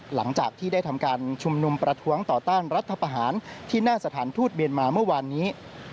หลังจากที่ได้ทำการชุมนุมประท้วงต่อต้านรัฐประหารที่หน้าสถานทูตเมียนมาเมื่อวานนี้